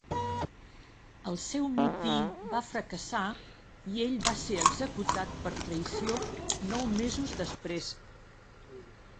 El seu motí va fracassar i ell va ser executat per traïció nou mesos després.